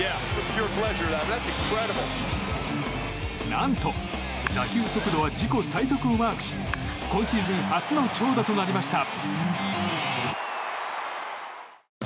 何と打球速度は自己最速をマークし今シーズン初の長打となりました。